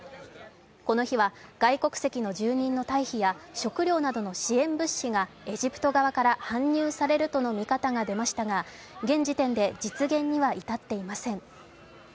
この日は外国籍の住人の退避や食料などの支援物資がエジプト側から搬入されるとの見方が出ましたが、現時点で実現には至っていません。